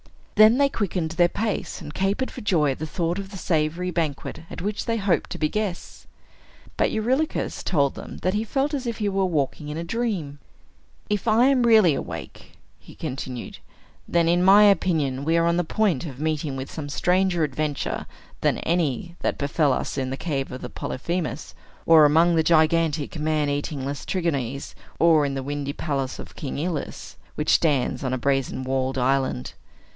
Then they quickened their pace, and capered for joy at the thought of the savory banquet at which they hoped to be guests. But Eurylochus told them that he felt as if he were walking in a dream. "If I am really awake," continued he, "then, in my opinion, we are on the point of meeting with some stranger adventure than any that befell us in the cave of Polyphemus, or among the gigantic man eating Laestrygons, or in the windy palace of King Aeolus, which stands on a brazen walled island.